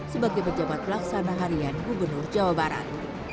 sebagai pejabat pelaksana harian gubernur jawa barat